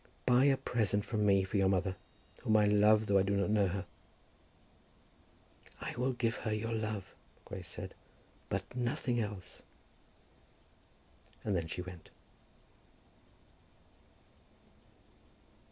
"Buy a present from me for your mother, whom I love though I do not know her." "I will give her your love," Grace said, "but nothing else." And then she went.